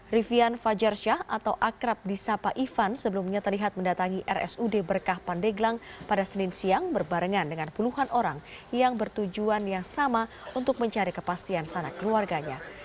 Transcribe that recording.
rivian fajar syah atau akrab di sapa ivan sebelumnya terlihat mendatangi rsud berkah pandeglang pada senin siang berbarengan dengan puluhan orang yang bertujuan yang sama untuk mencari kepastian sanak keluarganya